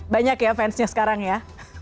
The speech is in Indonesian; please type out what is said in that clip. banyak ya fansnya sekarang ya